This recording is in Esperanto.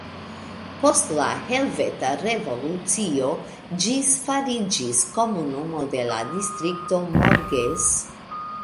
Post la Helveta Revolucio ĝis fariĝis komunumo de la Distrikto Morges.